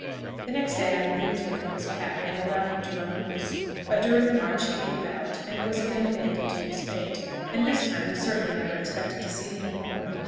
The next day I relieved him from his pack, and allowed him to run loose; but during the march he gave out, and was again abandoned to his fate, and this time we certainly never expected to see him more.